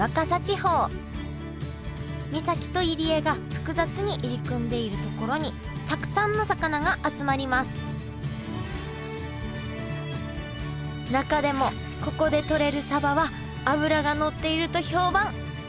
岬と入り江が複雑に入り組んでいる所にたくさんの魚が集まります中でもここでとれるサバは脂がのっていると評判。